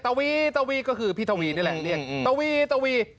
ตะวีตะวีก็คือพี่ทวีนี่แหละตะวีตะวี